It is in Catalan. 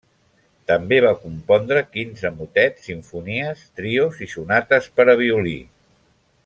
També va compondre quinze motets, simfonies, trios i sonates per a violí.